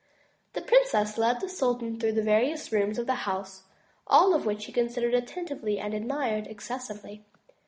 The princess then led the sultan through the various rooms of the house, all of which he considered attentively and admired excessively.